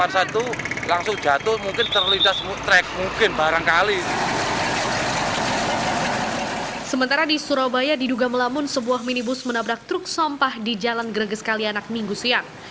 sementara di surabaya diduga melamun sebuah minibus menabrak truk sampah di jalan greges kalianak minggu siang